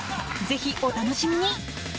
ぜひお楽しみに。